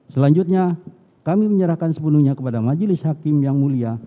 selanjutnya kami menyerahkan sepenuhnya kepada majelis hakim yang mulia